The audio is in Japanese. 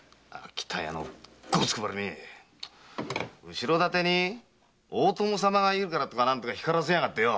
後ろ盾に大友様がいるとか何とか光らせやがってよ！